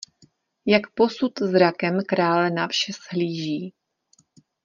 Jak posud zrakem krále na vše shlíží!